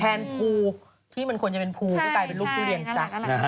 แทนภูที่มันควรจะเป็นภูก็กลายเป็นลูกทุเรียนซะ